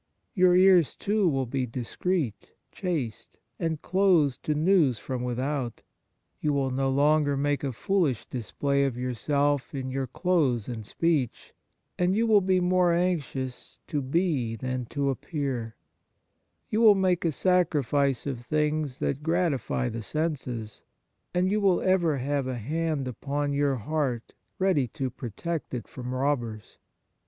Your ears, too, will be discreet, chaste, and closed to news from without ; you will no longer make a foolish display of yourself in your clothes and speech, and you will be 76 The Nature of Piety more anxious to be than to appear ; you will make a sacrifice of things that gratify the senses, and you will ever have a hand upon your heart ready to protect it from robbers.